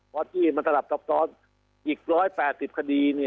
เพราะที่มันสำหรับตรงอีกร้อยแปดสิบคดีเนี่ย